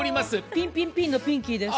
ピンピンピンのピンキーです。